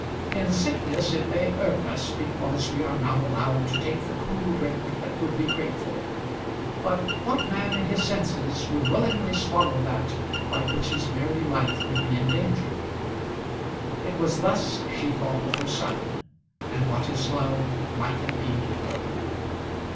In sickness it may irk us because we are not allowed to take the cool drink that would be grateful; but what man in his senses would willingly swallow that by which his very life would be endangered? It was thus she thought of her son, and what his love might have been to her.